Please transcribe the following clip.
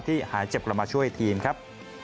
หายเจ็บกลับมาช่วยทีมครับ